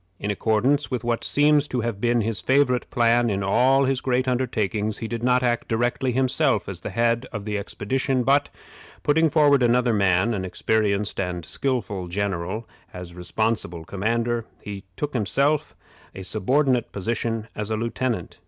In accordance with what seems to have been his favorite plan in all his great undertakings, he did not act directly himself as the head of the expedition, but, putting forward another man, an experienced and skillful general, as responsible commander, he himself took a subordinate position as lieutenant.